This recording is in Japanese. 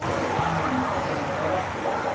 こちらの答えは。